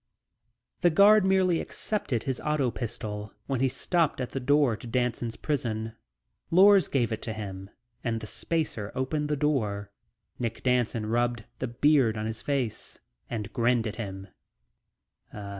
The guard merely accepted his auto pistol when he stopped at the door to Danson's prison. Lors gave it to him and the spacer opened the door. Nick Danson rubbed the beard on his face and grinned at him.